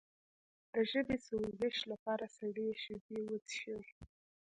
د ژبې د سوزش لپاره سړې شیدې وڅښئ